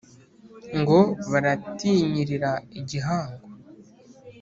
Ngo baratinyirira igihango !